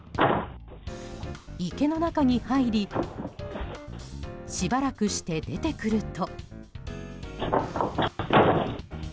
池の中に入りしばらくして出てくると。